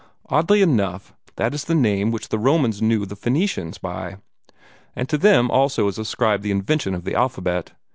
Oddly enough, that is the name which the Romans knew the Phoenicians by, and to them also is ascribed the invention of the alphabet.